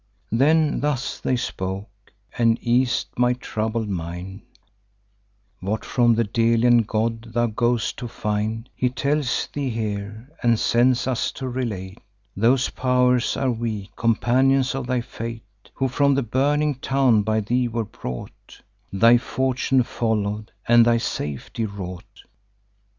Then thus they spoke, and eas'd my troubled mind: 'What from the Delian god thou go'st to find, He tells thee here, and sends us to relate. Those pow'rs are we, companions of thy fate, Who from the burning town by thee were brought, Thy fortune follow'd, and thy safety wrought.